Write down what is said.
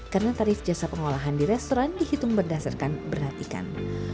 karena tarif jasa pengolahan di restoran dihitung berdasarkan berat ikan